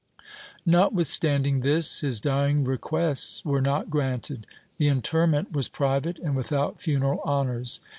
168 PROPOSITIONS [Book VIII Notwithstanding this, his dying requests were not granted. The interment was private and without funeral honors.